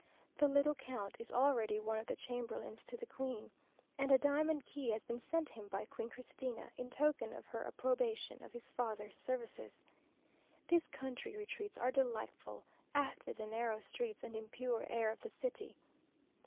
The little count is already one of the chamberlains to the Queen, and a diamond key has been sent him by Queen Christina in token of her approbation of his father's services. These country retreats are delightful after the narrow streets and impure air of the city....